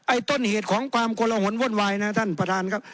ต้นเหตุของความกลหนวุ่นวายนะท่านประธานครับ